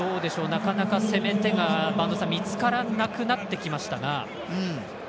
なかなか攻め手が見つからなくなってきましたが。